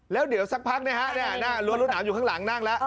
แล้วเดี๋ยวสักพักนะฮะหน้ารั้วรวดหนามอยู่ข้างหลังนั่งแล้ว